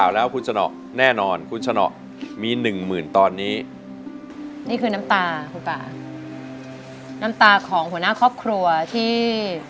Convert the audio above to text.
ร่วมสู้ชีวิต